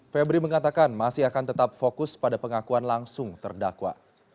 febri mengatakan masih akan tetap fokus pada pengakuan langsung terdakwa